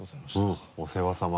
うんお世話さま。